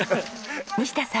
西田さん。